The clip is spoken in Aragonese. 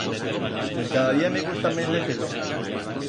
Per cada día me cuesta mes de fer-lo.